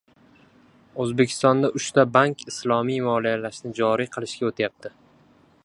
O‘zbekistonda uchta bank islomiy moliyalashni joriy qilishga o‘tyapti